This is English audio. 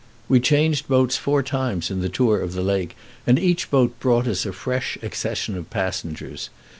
We changed boats four times in the tour of the lake, and each boat brought us a fresh accession of passengers.